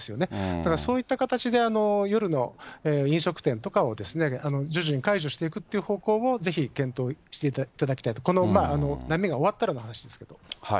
だからそういった形で、夜の飲食店とかを徐々に解除していくっていう方向をぜひ検討していただきたいと、この波が終わったらの話ですけど。